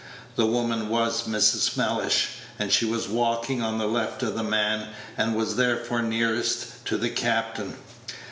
The woman was Mrs. Mellish, and she was walking on the left of the man, and was therefore nearest to the captain.